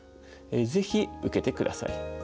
是非受けてください。